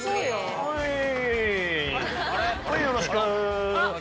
はいよろしく。